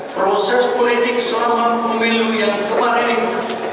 proses politik selama pemilu yang kemarin itu